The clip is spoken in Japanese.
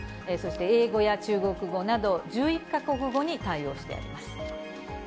そして英語や中国語など、１１か国語に対応してあります。